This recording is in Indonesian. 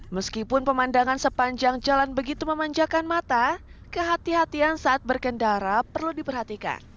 meskipun pemandangan sepanjang jalan begitu memanjakan mata kehatian kehatian saat berkendara perlu diperhatikan